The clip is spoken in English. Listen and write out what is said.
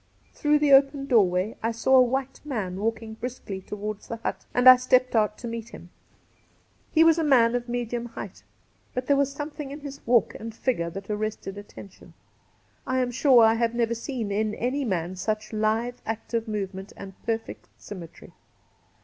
Through the open doorway I saw a white man walking briskly towards the hut, and I stepped out to meet him. He was a man of medium height, but there was something in his walk and figure that arrested attention. I am sure I have never seen in any man such lithe, active move ment and perfect symmetry.